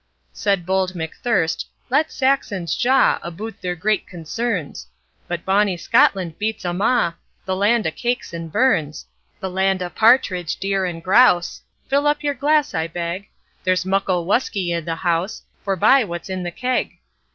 Said bold McThirst, 'Let Saxons jaw Aboot their great concerns, But bonny Scotland beats them a', The land o' cakes and Burns, The land o' partridge, deer, and grouse, Fill up your glass, I beg, There's muckle whusky i' the house, Forbye what's in the keg.'